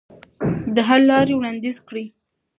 د حل لارې وړاندیز کړئ.